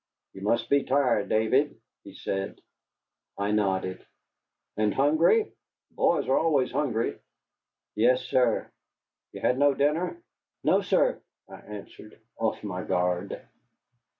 "You must be tired, David," he said. I nodded. "And hungry? Boys are always hungry." "Yes, sir." "You had no dinner?" "No, sir," I answered, off my guard.